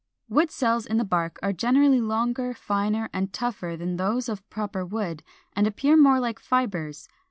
411. Wood cells in the bark are generally longer, finer, and tougher than those of the proper wood, and appear more like fibres.